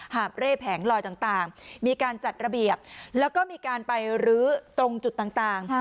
หาบเร่แผงลอยต่างมีการจัดระเบียบแล้วก็มีการไปรื้อตรงจุดต่าง